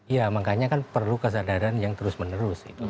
ya makanya kan perlu kesadaran yang terus menerus